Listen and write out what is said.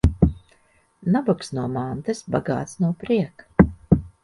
Nabags no mantas, bagāts no prieka.